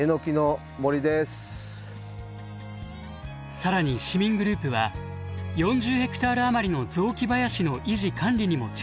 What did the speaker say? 更に市民グループは４０ヘクタール余りの雑木林の維持管理にも力を入れています。